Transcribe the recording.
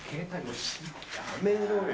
やめろよ。